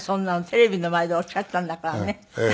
テレビの前でおっしゃったんだからね。